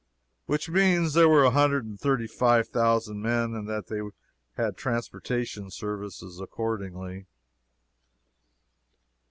Which means that there were one hundred and thirty five thousand men, and that they had transportation service accordingly.